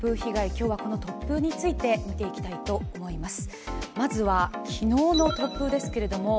今日はこの突風について見ていきたいと思います。